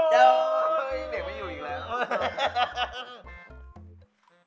โชค